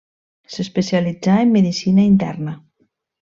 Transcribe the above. S'especialitzà en medicina interna.